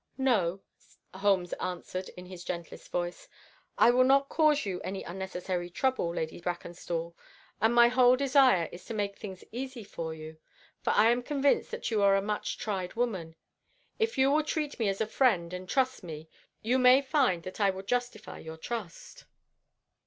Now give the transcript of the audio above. "No," Holmes answered, in his gentlest voice, "I will not cause you any unnecessary trouble, Lady Brackenstall, and my whole desire is to make things easy for you, for I am convinced that you are a much tried woman. If you will treat me as a friend and trust me you may find that I will justify your trust."